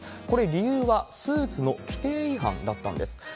これ、理由はスーツの規定違反だったんです。